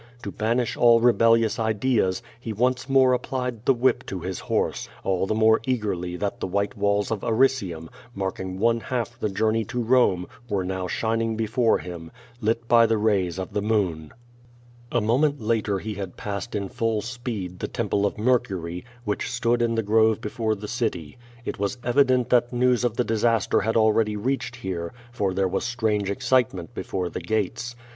To banish all rebellious ideas, he once more applied the whip to his horse, all the mpre eagerly that the white walls of Aricium, marking one half the journey to Rome, ^vere now shining before Iiim, lit by the rays of the moon. A moment later he had passed in full speed the Temple of Mercury, which stood in the grove before the city It was evident that news of the disaster had already reached here, for there was strange excitement before the gates.